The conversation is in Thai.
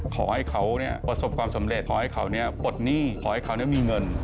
ขอให้เขาประสบความสำเร็จขอให้เขาปลดหนี้ขอให้เขามีเงิน